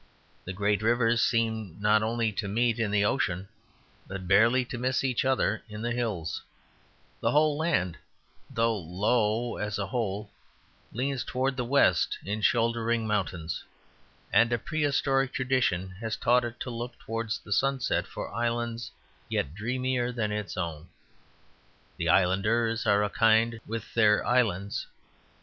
The great rivers seem not only to meet in the ocean, but barely to miss each other in the hills: the whole land, though low as a whole, leans towards the west in shouldering mountains; and a prehistoric tradition has taught it to look towards the sunset for islands yet dreamier than its own. The islanders are of a kind with their islands.